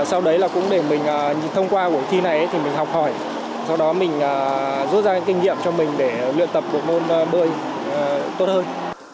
sau đấy là cũng để mình thông qua buổi thi này thì mình học hỏi sau đó mình rút ra kinh nghiệm cho mình để luyện tập một môn bơi tốt hơn